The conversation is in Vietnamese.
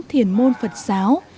thiền môn phật giáo